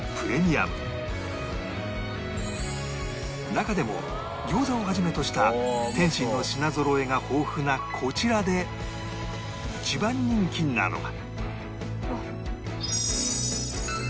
中でも餃子をはじめとした点心の品ぞろえが豊富なこちらで一番人気なのが